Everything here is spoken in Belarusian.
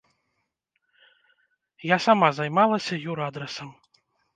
Я сама займалася юрадрасам.